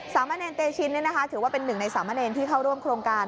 สามะเนรเตชินถือว่าเป็นหนึ่งในสามเณรที่เข้าร่วมโครงการ